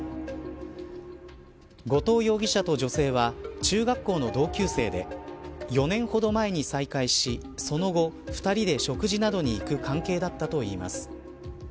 後藤容疑者と女性は中学校の同級生で４年ほど前に再会しその後２人で食事などに行く関係だったといいます。